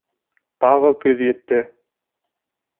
Тағы көҙ етте.